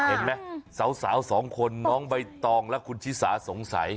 เห็นไหมสาวสองคนน้องใบตองและคุณชิสาสงสัย